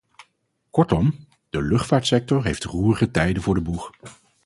Kortom, de luchtvaartsector heeft roerige tijden voor de boeg.